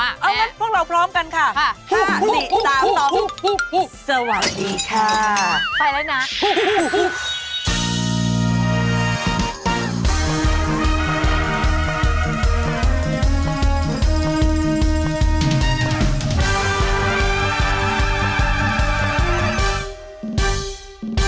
เอางั้นพวกเราพร้อมกันค่ะ๕๔๓๒สวัสดีค่ะไปแล้วนะ